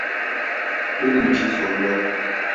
Benim için sorun yok.